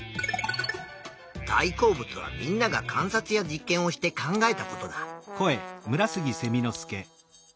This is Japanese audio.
大好物はみんなが観察や実験をして考えたことだ。